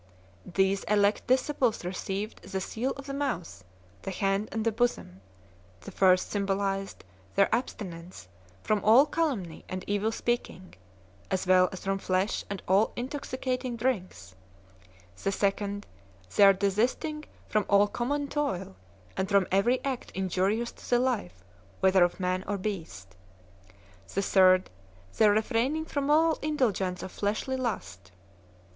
These elect disciples received the seal of the mouth, the hand, and the bosom ; the first symbolized their abstinence from all calumny and evil speaking, as well as from flesh and all intoxicating drinks ; the second their desisting from all common toil, and from every act injurious to the life whether of man or beast ; the third their refraining from all indulgence of fleshly lust.